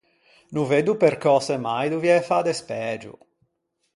No veddo percöse mai doviæ fâ despægio.